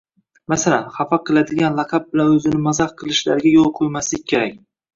Masalan, xafa qiladigan laqab bilan o‘zini mazax qilishlariga yo‘l qo‘ymaslik kerak.